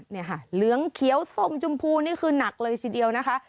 นี่ค่ะเหลืองเขียวสมชมพูนี่คือหนักเลยทีเดียวนะคะ